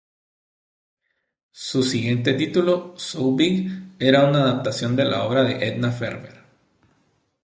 Su siguiente título, "So Big", era una adaptación de la obra de Edna Ferber.